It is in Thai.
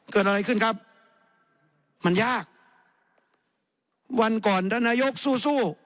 เกิดอะไรขึ้นครับมันยากวันก่อนท่านนายกสู้สู้